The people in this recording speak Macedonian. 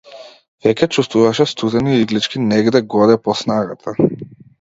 Веќе чувствуваше студени иглички негде-годе по снагата.